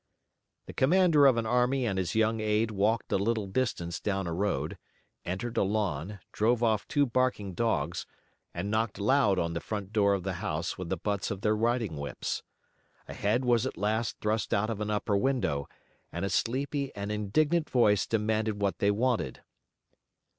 The commander of an army and his young aide walked a little distance down a road, entered a lawn, drove off two barking dogs, and knocked loud on the front door of the house with the butts of their riding whips. A head was at last thrust out of an upper window, and a sleepy and indignant voice demanded what they wanted.